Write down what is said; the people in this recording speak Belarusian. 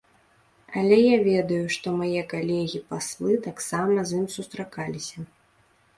Але я ведаю, што мае калегі-паслы таксама з ім сустракаліся.